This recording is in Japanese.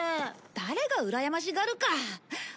誰がうらやましがるか！